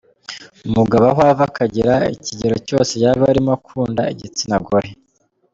Umugabo aho ava akagera, ikegero cyose yaba arimo akunda igitsina gore.